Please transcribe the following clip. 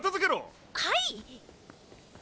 はい！